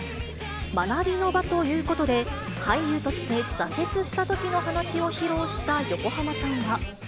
学びの場ということで、俳優として挫折したときの話を披露した横浜さんは。